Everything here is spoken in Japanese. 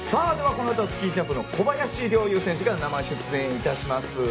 このあとはスキージャンプの小林陵侑選手が生出演します。